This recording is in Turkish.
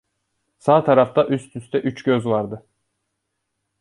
Sağ tarafta üst üste üç göz vardı.